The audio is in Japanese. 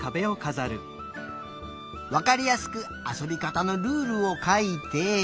わかりやすくあそびかたのルールをかいて。